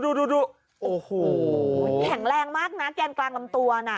ดูโอ้โหแข็งแรงมากนะแกนกลางลำตัวน่ะ